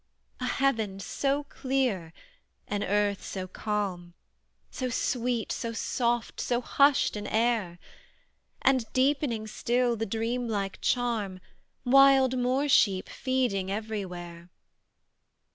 A heaven so clear, an earth so calm, So sweet, so soft, so hushed an air; And, deepening still the dream like charm, Wild moor sheep feeding everywhere.